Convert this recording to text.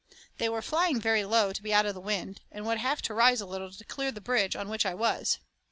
They were flying very low to be out of the wind, and would have to rise a little to clear the bridge on which I was.